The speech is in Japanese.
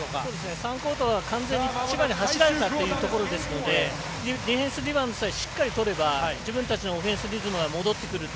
３クオーターは完全に千葉に走られたというところなのでディフェンスリバウンドさえしっかりとれば自分たちのオフェンスリズムは戻ってくると。